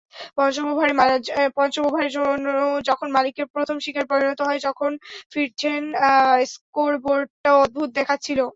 পঞ্চম ওভারে যখন মালিকের প্রথম শিকারে পরিণত হয়ে যখন ফিরছেন, স্কোরবোর্ডটা অদ্ভুত দেখাচ্ছিল।